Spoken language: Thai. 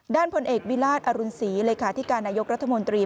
ด้านผลเอกวิลาสอรุณศรีเลขาที่การนายกรัฐมนตรี